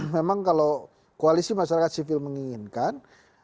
memang kalau koalisi masyarakat sivil menginginkan